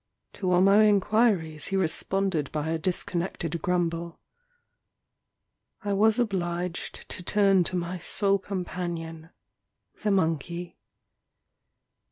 To all my inquiries he responded by a dis connected grumble. I was obliged to turn to my sole companion, the monkey.